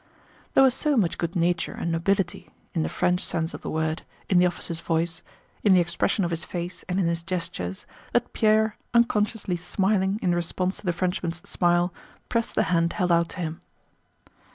There was so much good nature and nobility (in the French sense of the word) in the officer's voice, in the expression of his face and in his gestures, that Pierre, unconsciously smiling in response to the Frenchman's smile, pressed the hand held out to him.